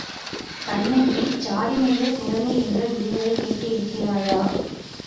கண்ணகி, ஜாடிமேலே குரங்கு என்ற விடுகதை கேட்டிருக்கிறாயா?